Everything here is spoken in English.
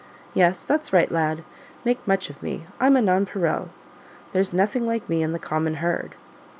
Yes, that's right, lad make much of me I'm a nonpareil: there's nothing like me in the common herd.